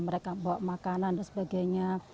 mereka bawa makanan dan sebagainya